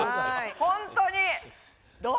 本当に。